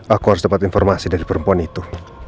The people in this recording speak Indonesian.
aku harus dapat informasi dari perempuan itu